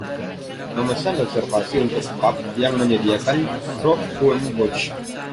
Memesan reservasi untuk pub yang menyediakan croquembouche